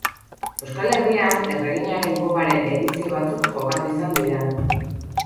Euskal Herrian Erreginaren Koparen edizio batzuk jokatu izan dira.